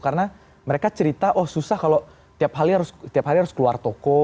karena mereka cerita oh susah kalau tiap hari harus keluar toko